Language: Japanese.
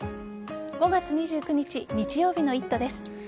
５月２９日日曜日の「イット！」です。